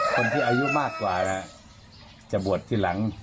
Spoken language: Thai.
คนที่อายุมากกว่านะจะบวชทีหลัง